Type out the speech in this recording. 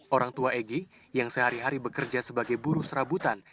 orang tua egy yang sehari hari bekerja sebagai buruh serabutan